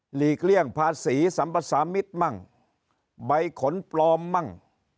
ลีกเลี่ยงภาษีสัมภาษามิตรมั่งใบขนปลอมมั่ง